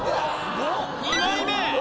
２枚目！